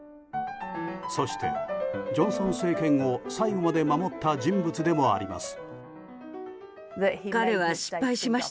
そして、ジョンソン政権を最後まで守った人物でもあります。